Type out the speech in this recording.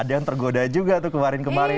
ada yang tergoda juga tuh kemarin kemarin